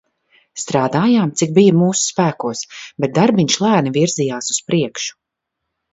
Strādājām, cik bij mūsu spēkos, bet darbiņš lēni virzījās uz priekšu.